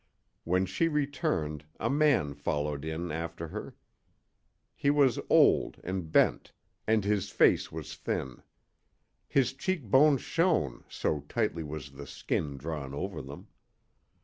When she returned a man followed in after her. He was old and bent, and his face was thin. His cheek bones shone, so tightly was the skin drawn over them.